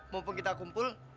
mampu kita kumpul